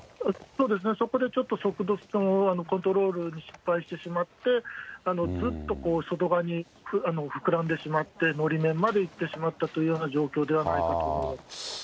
そうですね、そこでちょっと速度のコントロールに失敗してしまって、ずっとこう、外側に膨らんでしまって、のり面まで行ってしまったというような状況ではないかと思います。